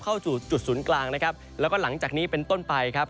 เข้าสู่จุดศูนย์กลางนะครับแล้วก็หลังจากนี้เป็นต้นไปครับ